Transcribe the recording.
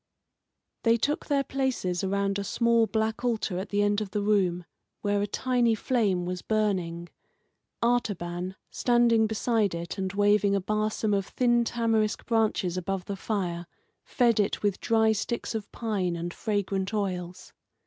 They took their places around a small black altar at the end of the room, where a tiny flame was burning. Artaban, standing beside it, and waving a barsom of thin tamarisk branches above the fire, fed it with dry sticks of pine and fragrant oils.